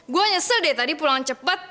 gue nyesel deh pulang cepet